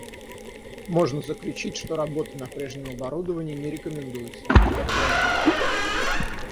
Можно заключить что работа на прежнем оборудовании не рекомендуется, однако возможна